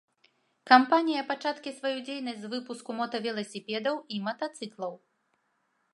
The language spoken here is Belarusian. Кампанія пачаткі сваю дзейнасць з выпуску мотавеласіпедаў і матацыклаў.